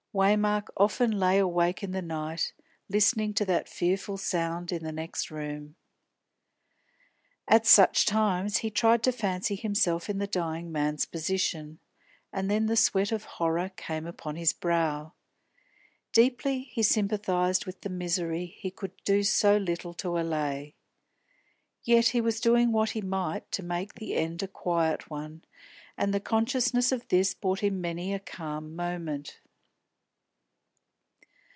Waymark often lay awake in the night, listening to that fearful sound in the next room. At such times he tried to fancy himself in the dying man's position, and then the sweat of horror came upon his brow. Deeply he sympathised with the misery he could do so little to allay. Yet he was doing what he might to make the end a quiet one, and the consciousness of this brought him many a calm moment.